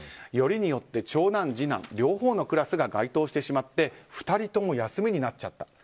よりによって長男、次男両方のクラスが該当してしまって２人とも休みになっちゃった。